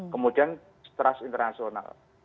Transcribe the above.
kemudian terus internasional